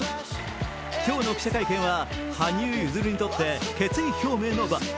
今日の記者会見は、羽生結弦にとって決意表明の場。